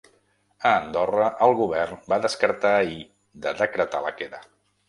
A Andorra, el govern va descartar ahir de decretar la queda.